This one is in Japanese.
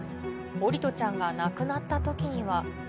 桜利斗ちゃんが亡くなったときには。